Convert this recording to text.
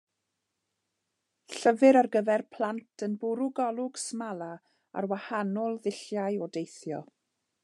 Llyfr ar gyfer plant yn bwrw golwg smala ar wahanol ddulliau o deithio.